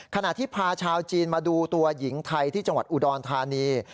ขณะที่พาชาวจีนมาดูตัวหญิงไทยที่จังหวัดอุดรธานี